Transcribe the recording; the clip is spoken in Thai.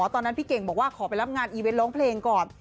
พี่เก่งบอกว่าขอไปรับงานอีเวนต์ร้องเพลงก่อน